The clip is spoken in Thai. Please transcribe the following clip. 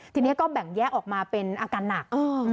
ทีนี้ก็แบ่งแยกออกมาเป็นอาการหนัก